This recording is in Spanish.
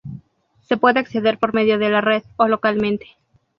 Se puede acceder por medio de la red o localmente.